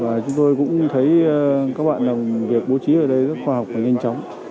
và chúng tôi cũng thấy các bạn việc bố trí ở đây rất khoa học và nhanh chóng